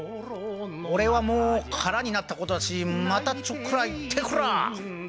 俺はもう空になったことだしまたちょっくら行ってくらあ！